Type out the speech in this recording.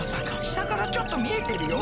下からちょっと見えてるよ。